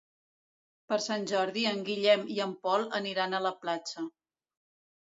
Per Sant Jordi en Guillem i en Pol aniran a la platja.